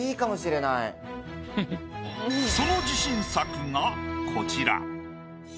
その自信作がこちら。